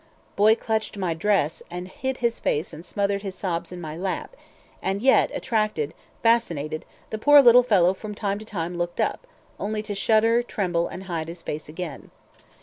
Boy clutched my dress, and hid his face and smothered his sobs in my lap; and yet, attracted, fascinated, the poor little fellow from time to time looked up, only to shudder, tremble, and hide his face again.